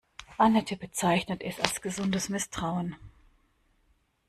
Anette bezeichnet es als gesundes Misstrauen.